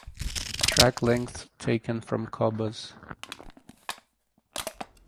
Track lengths taken from Qobuz.